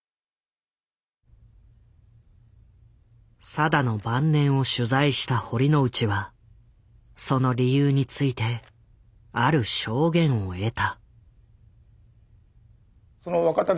定の晩年を取材した堀ノ内はその理由についてある証言を得た。